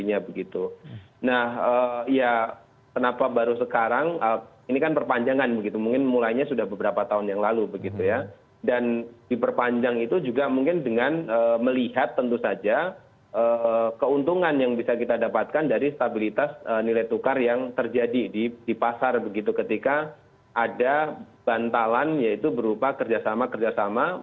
nah ya kenapa baru sekarang ini kan perpanjangan begitu mungkin mulainya sudah beberapa tahun yang lalu begitu ya dan diperpanjang itu juga mungkin dengan melihat tentu saja keuntungan yang bisa kita dapatkan dari stabilitas nilai tukar yang terjadi di pasar begitu ketika ada bantalan yaitu berupa kerjasama kerjasama